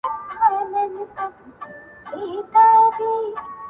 o اې گوره تاته وايم.